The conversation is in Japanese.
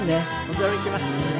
驚きますね。